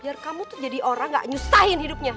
biar kamu tuh jadi orang gak nyusahin hidupnya